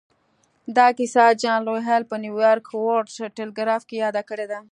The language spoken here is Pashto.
دا کيسه جان لويل په نيويارک ورلډ ټيليګراف کې ياده کړې ده.